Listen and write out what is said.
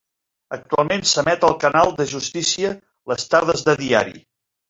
Actualment s'emet al Canal de Justícia les tardes de diari.